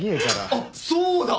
あっそうだ！